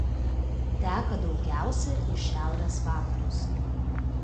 Teka daugiausia į šiaurės vakarus.